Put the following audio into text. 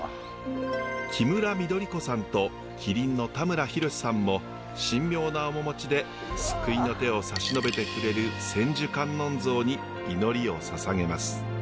キムラ緑子さんと麒麟の田村裕さんも神妙な面持ちで救いの手を差し伸べてくれる千手観音像に祈りをささげます。